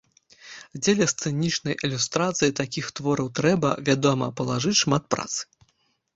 Дзеля сцэнічнай ілюстрацыі такіх твораў трэба, вядома, палажыць шмат працы.